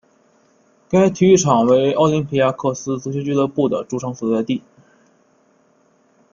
该体育场为奥林匹亚克斯足球俱乐部的主场所在地。